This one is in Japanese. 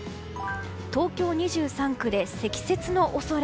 東京２３区で積雪の恐れ。